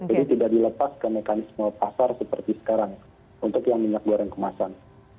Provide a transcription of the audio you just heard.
jadi tidak dilepas ke mekanisme pasar seperti sekarang untuk yang minyak goreng kemasan